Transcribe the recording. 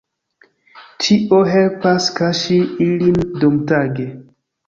Tio helpas kaŝi ilin dumtage.